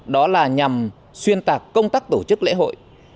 đó là nhằm xuyên tạc công tác tổ chức lễ hội